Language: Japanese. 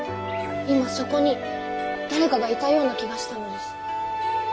今そこに誰かがいたような気がしたのです。